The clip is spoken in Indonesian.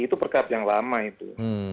itu berkat yang lama itu